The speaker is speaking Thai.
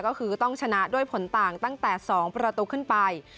ก็คือต้องชนะด้วยผลต่างตั้งแต่๒ประตูขึ้นไป